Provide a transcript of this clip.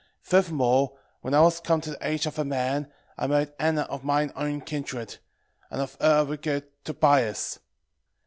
1:9 Furthermore, when I was come to the age of a man, I married Anna of mine own kindred, and of her I begat Tobias.